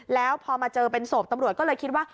แล้วพอมาเจอเป็นศพตำรวจก็เลยคิดว่า